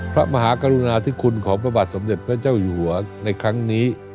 พระมหากรุณาธิคุณของพระบาทสมเด็จพระเจ้าอยู่หัวในครั้งนี้